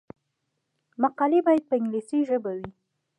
مقالې باید په انګلیسي ژبه وي.